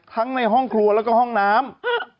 ทั้งในห้องครัวและห้องน้ำ